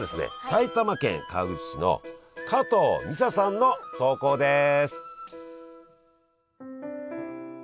埼玉県川口市の加藤美沙さんの投稿です。